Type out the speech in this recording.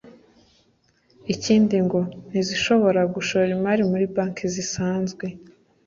Ikindi ngo ntizishobora gushora imari muri banki zisanzwe